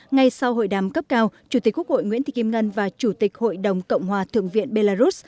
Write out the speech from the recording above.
ngay sau hội đàm cấp cao chủ tịch quốc hội nguyễn thị kim ngân và chủ tịch hội đồng cộng hòa thượng viện belarus